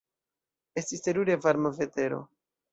Estis terure varma vetero.